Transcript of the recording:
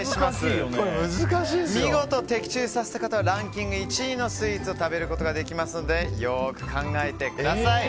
見事的中させた方はランキング１位のスイーツを食べることができますのでよく考えてください。